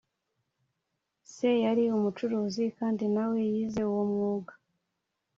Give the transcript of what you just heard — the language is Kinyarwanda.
Se yari umucuzi, kandi nawe yize uwo mwuga